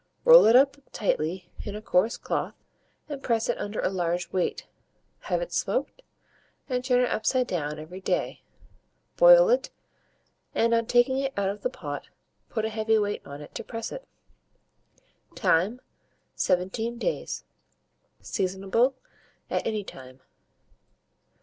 Roll it up tightly in a coarse cloth, and press it under a large weight; have it smoked, and turn it upside down every day. Boil it, and, on taking it out of the pot, put a heavy weight on it to press it. Time. 17 days. Seasonable at any time.